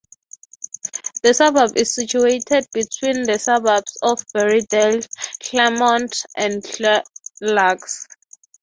The suburb is situated between the suburbs of Berriedale, Claremont and Glenlusk.